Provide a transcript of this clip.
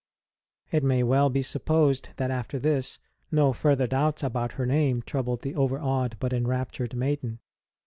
It may well be supposed that after this no further doubts about her name troubled the over awed but enraptured maiden.